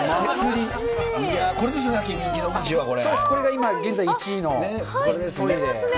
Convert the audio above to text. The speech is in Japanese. そうです、これが今、現在１これですね。